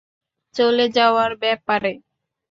চলে যাওয়ার ব্যাপারে?